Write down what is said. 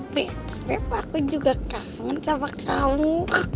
tapi aku juga kangen sama kamu